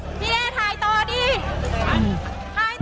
อืม